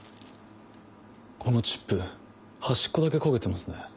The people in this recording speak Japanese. このチップ端っこだけ焦げてますね。